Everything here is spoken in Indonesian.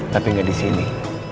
tapi gak di sini